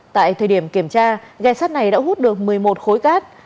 tại thời điểm kiểm tra ghe sắt này đã hút được một mươi một khối cát